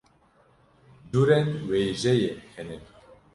curên wêjeyê hene.